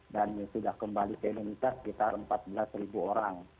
dan sudah kembali ke indonesia sekitar empat belas orang